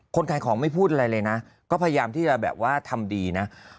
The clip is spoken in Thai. ขายของไม่พูดอะไรเลยนะก็พยายามที่จะแบบว่าทำดีนะ